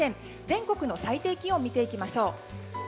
全国の最低気温見ていきます。